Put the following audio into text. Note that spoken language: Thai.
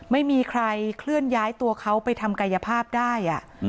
ไม่มีใครเคลื่อนย้ายตัวเขาไปทำกายภาพได้